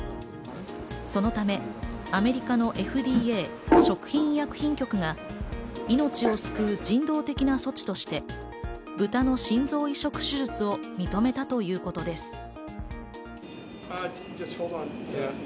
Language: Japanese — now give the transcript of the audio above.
そのためアメリカのＦＤＡ＝食品医薬品局が命を救う人道的な措置としてブタの心臓移植手術を認めたということです。